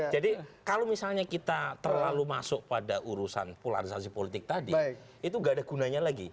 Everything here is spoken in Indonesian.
jadi kalau misalnya kita terlalu masuk pada urusan polarisasi politik tadi itu gak ada gunanya lagi